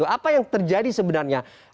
apa yang terjadi sebenarnya